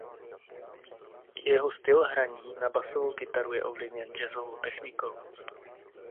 I jeho styl hraní na basovou kytaru je ovlivněn jazzovou technikou.